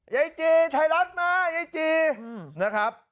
ยายจีไทยรัฐมายายจีนะครับ